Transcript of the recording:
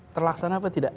terlaksana apa tidak